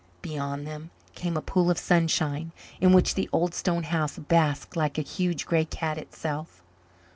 Beyond them came a pool of sunshine in which the old stone house basked like a huge grey cat itself.